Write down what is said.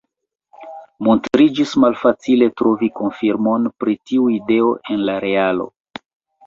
Montriĝis malfacile trovi konfirmon pri tiu ideo en la realo.